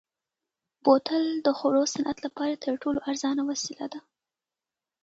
بوتل د خوړو صنعت لپاره تر ټولو ارزانه وسیله ده.